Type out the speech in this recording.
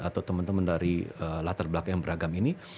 atau teman teman dari latar belakang yang beragam ini